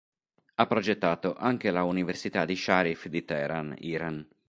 Ha progettato anche la Università di Sharif di Tehran, Iran.